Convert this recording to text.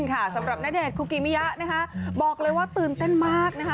สำหรับณเดชนคุกิมิยะนะคะบอกเลยว่าตื่นเต้นมากนะคะ